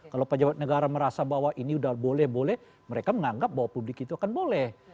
kalau pejabat negara merasa bahwa ini udah boleh boleh mereka menganggap bahwa publik itu akan boleh